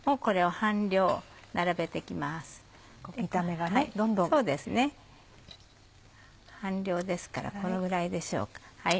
半量ですからこのぐらいでしょうか。